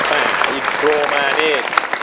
ไอ้โพ่มานี่